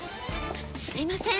すいません。